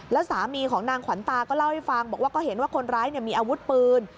แล้วสามีของนางขวัญตาก็เล่าให้ฟังบอกว่าก็เห็นว่าคนร้ายมีอาวุธปืน